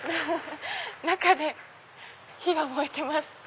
中で火が燃えてます。